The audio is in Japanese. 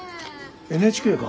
ＮＨＫか。